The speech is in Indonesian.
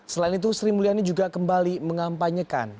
selain itu sri mulyani juga kembali mengampanyekan